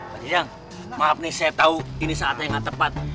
pak cidang maaf nih saya tau ini saatnya nggak tepat